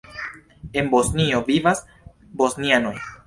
En Bosnio vivas bosnianoj.